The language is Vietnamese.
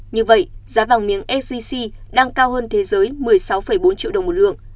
như vậy giá vàng miếng sgc đang cao hơn thế giới một mươi sáu bốn triệu đồng một lượng